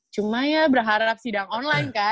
cuma ya berharap sidang online kan